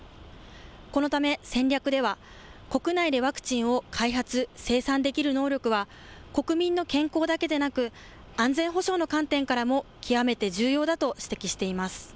このため戦略では国内でワクチンを開発・生産できる能力は国民の健康だけでなく安全保障の観点からも極めて重要だと指摘しています。